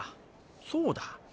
そうだ